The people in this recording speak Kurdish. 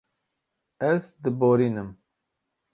Ez diborînim.